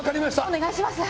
お願いします。